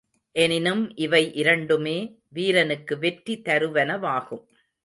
எனினும் இவை இரண்டுமே வீரனுக்கு வெற்றி தருவனவாகும்.